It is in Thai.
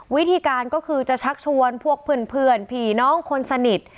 วิธีการก็คือจะชักชวนพวกเพื่อนผีน้องคนสนิท